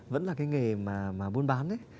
vẫn là cái nghề mà buôn bán